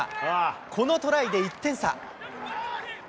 このトライで１点差。